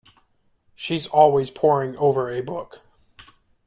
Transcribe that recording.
She’s always poring over a book.